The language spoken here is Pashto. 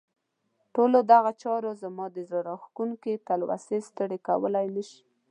ټولو دغو چارو زما زړه راښکونکې تلوسه ستړې کولای نه شوه.